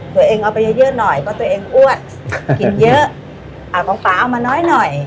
ตัวเองเอาไปเยอะเยอะหน่อยเพราะตัวเองอ้วนกินเยอะเอาของป่าเอามาน้อยหน่อย